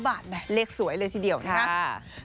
บาทแหมเลขสวยเลยทีเดียวนะครับ